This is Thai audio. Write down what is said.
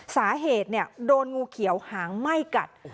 สาเหตุโดนงูเขียวหางไหม้กัด